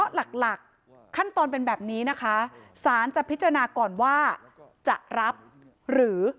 หลักหลักขั้นตอนเป็นแบบนี้นะคะสารจะพิจารณาก่อนว่าจะรับหรือ